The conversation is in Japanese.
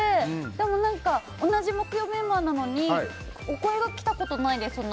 でも、同じ木曜メンバーなのにお声が来たことないです